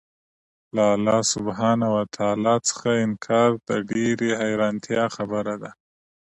له الله سبحانه وتعالی څخه انكار د ډېري حيرانتيا خبره ده